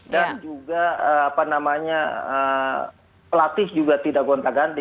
dan juga pelatih juga tidak gonta ganti